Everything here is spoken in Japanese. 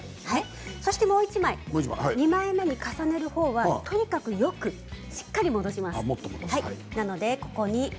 もう１枚二枚目に重ねる方はとにかくよくしっかり戻します。